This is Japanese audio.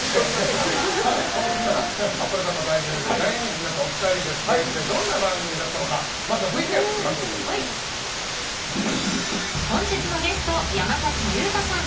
そんな「あっぱれさんま大先生」で大人気になったお二人ですが一体どんな番組だったのか本日のゲスト、山崎裕太さん